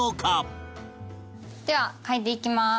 では書いていきます。